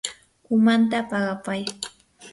umanta paqapay.